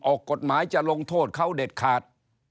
ออกกฎหมายจะลงโทษเขาเด็ดขาด